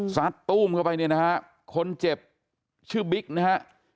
ซัดตู้มเข้าไปเนี่ยนะฮะคนเจ็บชื่อบิ๊กนะฮะ